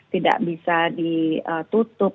tidak bisa ditutup